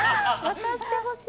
渡してほしい。